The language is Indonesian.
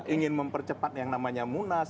ingin mempercepat yang namanya munas